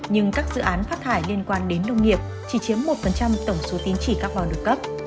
nhưng các dự án phát thải liên quan đến nông nghiệp chỉ chiếm một tổng số tín trị carbon được cấp